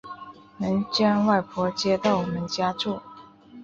能将外婆接到我们家住